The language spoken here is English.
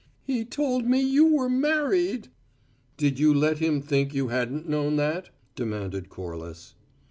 "He told me you were married " "Did you let him think you hadn't known that?" demanded Corliss.